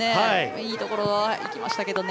いいところ、行きましたけどね。